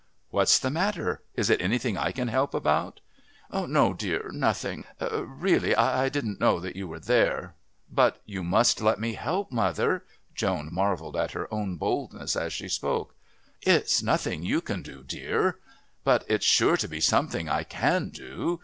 "What's the matter? Is it anything I can help about?" "'No, dear, nothing...really I didn't know that you were there." "No, but you must let me help, mother." Joan marvelled at her own boldness as she spoke. "It's nothing you can do, dear." "But it's sure to be something I can do.